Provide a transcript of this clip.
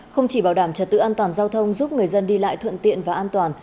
không chỉ bảo đảm trật tự an toàn giao thông giúp người dân đi lại thuận tiện và an toàn